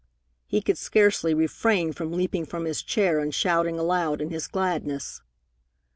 He could scarcely refrain from leaping from his chair and shouting aloud in his gladness.